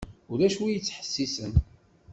Ulac win i d-yettḥessisen.